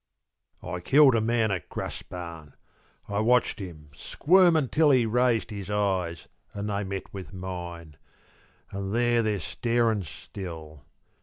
I killed a man at Graspan; I watched him squirmin' till He raised his eyes, an' they met with mine; An' there they're starin' still.